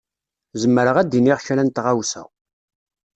Zemreɣ ad d-iniɣ kra n tɣawsa.